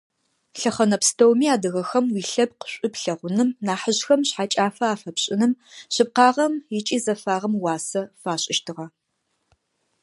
Лъэхъэнэ пстэуми адыгэхэм уилъэпкъ шӏу плъэгъуным нахьыжъхэм шъхьэкӏафэ афэпшӏыным, шъыпкъагъэм ыкӏи зэфагъэм уасэ фашӏыщтыгъэ.